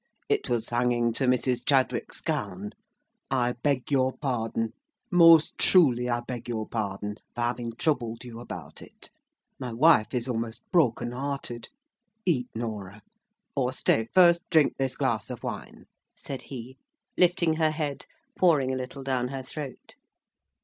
It was hanging to Mrs. Chadwick's gown. I beg your pardon. Most truly I beg your pardon, for having troubled you about it. My wife is almost broken hearted. Eat, Norah,—or, stay, first drink this glass of wine," said he, lifting her head, pouring a little down her throat.